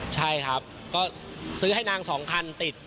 ใช่ครับก็ซื้อให้นาง๒คันติด